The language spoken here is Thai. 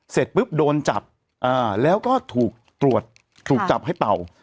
เสร็จปุ๊บโดนจับแล้วก็ถูกตรวจถูกจับให้เป่า